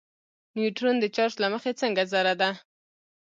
نیوټرون د چارچ له مخې څنګه ذره ده.